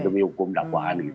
demi hukum dakwaan